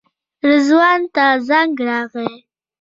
رضوان ته زنګ راغی.